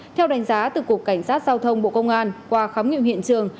theo đánh giá từ cục cảnh sát giao thông bộ công an qua khám nghiệm hiện trường